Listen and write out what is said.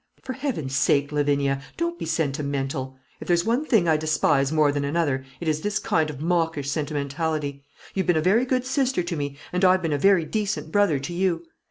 "For Heaven's sake, Lavinia, don't be sentimental. If there's one thing I despise more than another, it is this kind of mawkish sentimentality. You've been a very good sister to me; and I've been a very decent brother to you.